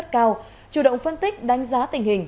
cao chủ động phân tích đánh giá tình hình